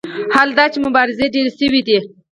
حال دا چې مبارزې ډېرې شوې دي.